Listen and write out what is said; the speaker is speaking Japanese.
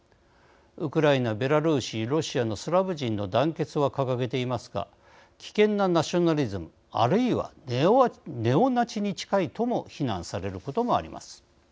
ウクライナ、ベラルーシロシアのスラブ人の団結は掲げていますが危険なナショナリズムあるいはネオナチに近いとも非難されることもあります。